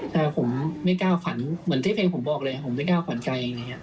แต่ผมไม่กล้าฝันเหมือนที่เพลงผมบอกเลยผมไม่กล้าขวัญใจอะไรอย่างนี้